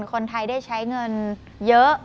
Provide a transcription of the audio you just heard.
คนไทยได้ใช้เงินเยอะ